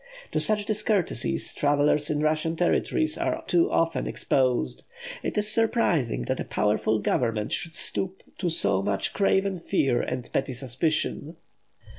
To such discourtesies travellers in Russian territories are too often exposed. It is surprising that a powerful government should stoop to so much craven fear and petty suspicion.